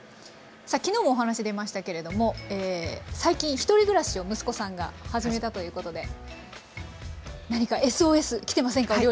さあ昨日もお話出ましたけれども最近１人暮らしを息子さんが始めたということで何かＳＯＳ来てませんか？